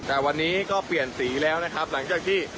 แต่วันนี้ก็เปลี่ยนสีแล้วนะครับหลังจากที่